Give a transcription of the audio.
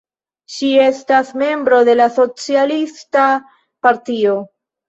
Ŝi estas membro de la Socialista Partio.